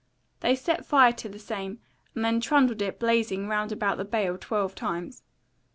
They set fire to the same, and then trundled it blazing round about the bale twelve times.